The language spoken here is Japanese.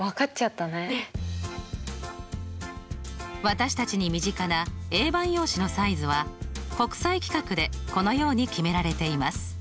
私たちに身近なＡ判用紙のサイズは国際規格でこのように決められています。